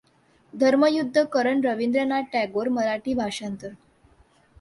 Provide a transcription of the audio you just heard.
धर्मयुद्ध कर्ण रवींद्रनाथ टागोर मराठी भाषांतर